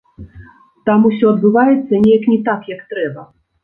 Там усё адбываецца неяк не так, як трэба.